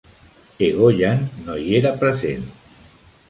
Egoyan no hi era present.